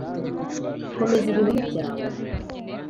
komeza ibihome byawe